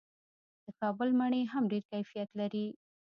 د کابل مڼې هم ډیر کیفیت لري.